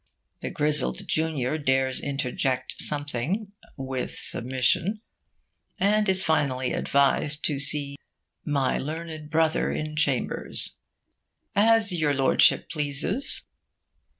The grizzled junior dares interject something 'with submission,' and is finally advised to see 'my learned brother in chambers.' 'As your Lordship pleases.'...